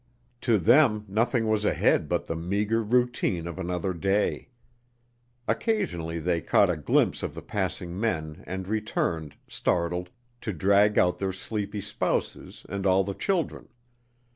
To them nothing was ahead but the meagre routine of another day. Occasionally they caught a glimpse of the passing men and returned, startled, to drag out their sleepy spouses and all the children.